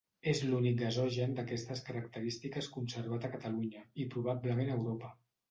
És l'únic gasogen d'aquestes característiques conservat a Catalunya i probablement a Europa.